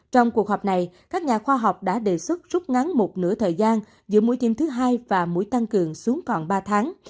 trong cuộc họp này các nhà khoa học đã đề xuất rút ngắn một nửa thời gian giữa mũi thêm thứ hai và mũi tăng cường xuống còn ba tháng